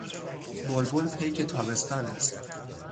بلبل پیک تابستان است.